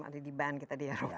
ada di ban kita di ya